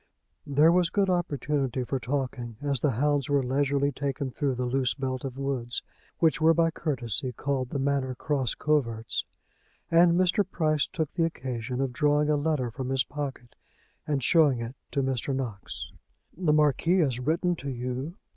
There was good opportunity for talking as the hounds were leisurely taken through the loose belt of woods which were by courtesy called the Manor Cross coverts, and Mr. Price took the occasion of drawing a letter from his pocket and showing it to Mr. Knox. "The Marquis has written to you!"